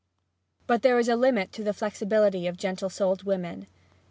But there is a limit to the flexibility of gentle souled women.